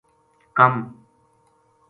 کم